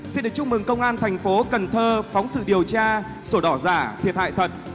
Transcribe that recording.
xin được chúc mừng công an thành phố cần thơ phóng sự điều tra sổ đỏ giả thiệt hại thật